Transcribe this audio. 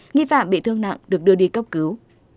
nghi phạm bị thương nặng được đưa đi cấp cứu